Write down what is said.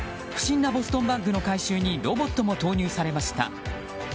不審なボストンバッグの回収にロボットも投入されました。